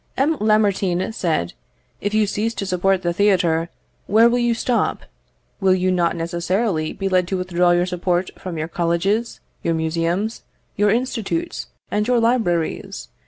M. Lamartine said, "If you cease to support the theatre, where will you stop? Will you not necessarily be led to withdraw your support from your colleges, your museums, your institutes, and your libraries?